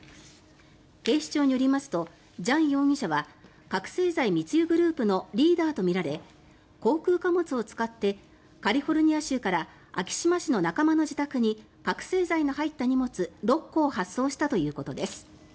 警視庁によりますとジャン容疑者は覚醒剤密輸グループのリーダーとみられ航空貨物を使ってカリフォルニア州から昭島市の仲間の自宅に覚醒剤の入った荷物６個を発送したということです。